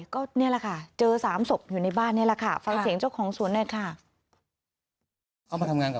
ก็นี่แหละค่ะเจอ๓ศพอยู่ในบ้านนี่แหละค่ะ